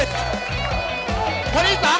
เร็วเร็ว